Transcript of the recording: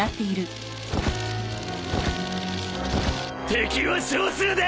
敵は少数だ！